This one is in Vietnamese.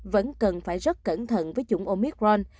vẫn cần phải rất cẩn thận với chủng omicron